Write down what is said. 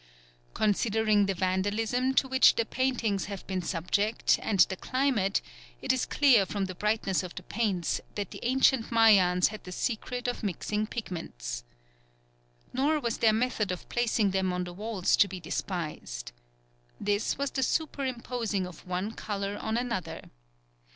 Considering the vandalism to which the paintings have been subject and the climate, it is clear from the brightness of the paints that the ancient Mayans had the secret of mixing pigments. Nor was their method of placing them on the walls to be despised. This was the superimposing of one colour on another.